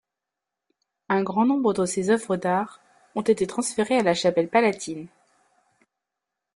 Un grand nombre de ses œuvres d'art ont été transférées à la Chapelle Palatine.